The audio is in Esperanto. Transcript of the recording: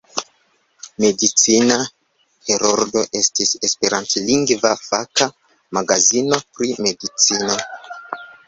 Medicina Heroldo estis esperantlingva faka magazino pri medicino.